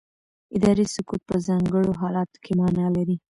اداري سکوت په ځانګړو حالاتو کې معنا لري.